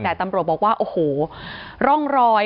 แต่ตำรวจบอกว่าโอ้โหร่องรอย